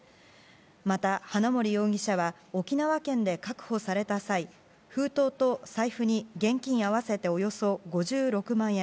また、花森容疑者は沖縄県で確保された際封筒と財布に現金合わせておよそ５６万円